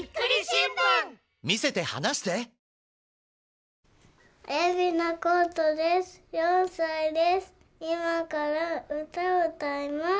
いまからうたをうたいます。